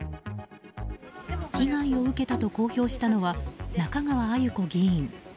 被害を受けたと公表したのは中川あゆこ議員。